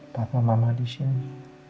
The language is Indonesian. papa mama disini